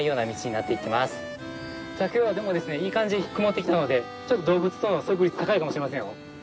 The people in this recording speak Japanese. じゃあ今日はでもですねいい感じに曇ってきたのでちょっと動物との遭遇率高いかもしれませんよ。